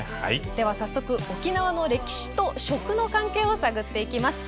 では早速沖縄の歴史と食の関係を探っていきます。